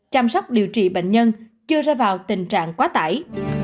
chăm sóc điều trị bệnh nhân chưa ra vào tình trạng quá tải